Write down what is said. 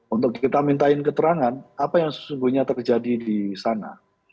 untuk kita minta keterangan apa yang sesungguhnya terjadi di sana